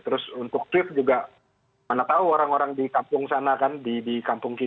terus untuk lift juga mana tahu orang orang di kampung sana kan di kampung kita